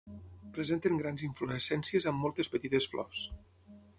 Presenten grans inflorescències amb moltes petites flors.